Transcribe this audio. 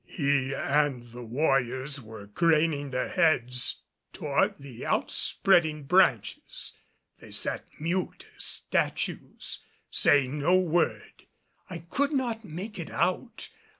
He and the warriors were craning their heads toward the out spreading branches. They sat mute as statues, saying no word. I could not make it out.